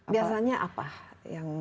biasanya apa yang